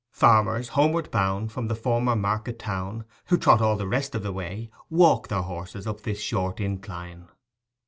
Farmers homeward bound from the former market town, who trot all the rest of the way, walk their horses up this short incline.